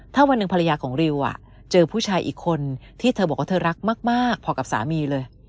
ถ้าวันที่ภรรยาของริวเจอผู้ชายอีกคนที่รักมากกับว่ากับสามีเลย